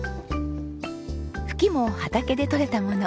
フキも畑で採れたもの。